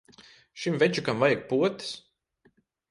Šim večukam vajag potes.